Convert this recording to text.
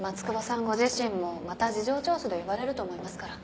ご自身もまた事情聴取で呼ばれると思いますから。